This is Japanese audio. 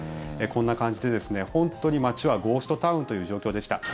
こんな感じで本当に街はゴーストタウンという状況でした。